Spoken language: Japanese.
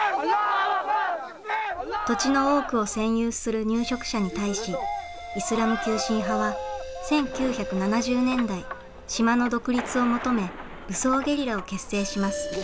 土地の多くを占有する入植者に対しイスラム急進派は１９７０年代島の独立を求め武装ゲリラを結成します。